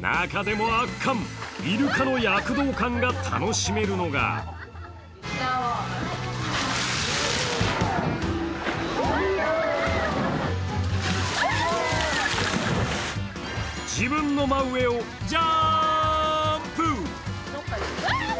中でも圧巻、イルカの躍動感が楽しめるのが自分の真上をジャーンプ！